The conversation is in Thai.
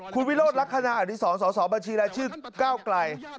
คุณวิโรธรักษณะอันที่๒๒๒บัญชีแล้วชื่อเก้าไกร